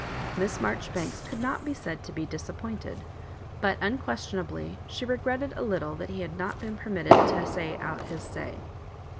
Miss Maijoribanks could not be said to be disappointed, but unquestion ably she regretted a little that he had not been permitted to say out his say.